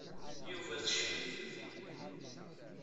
Yuba teccef-it tidi.